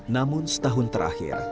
namun setahun terakhir